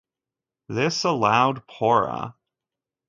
This allowed Pora!